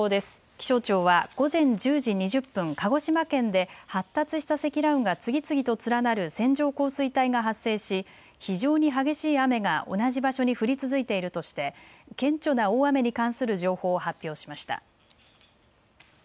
気象庁は午前１０時２０分、鹿児島県で発達した積乱雲が次々と連なる線状降水帯が発生し非常に激しい雨が同じ場所に降り続いているとして顕著な大雨に関する情報を発表しました。